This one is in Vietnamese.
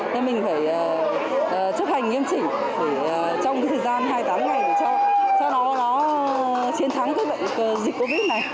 nên mình phải chấp hành nghiêm chỉnh trong cái thời gian hai mươi tám ngày để cho nó chiến thắng cái bệnh dịch covid này